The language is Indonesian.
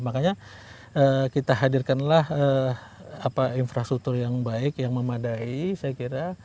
makanya kita hadirkanlah infrastruktur yang baik yang memadai saya kira